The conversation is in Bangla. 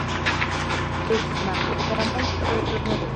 দেখো-না, ও কেমনতরো এলোমেলো।